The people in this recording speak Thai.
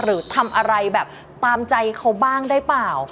หรือทำอะไรแบบตามใจเขาบ้างได้เปล่า